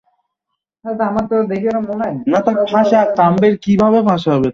সংবাদ সম্মেলনে একাধিক সাংবাদিক জানতে চান, বিএসইসি অনেক ভালো আইন করেছে।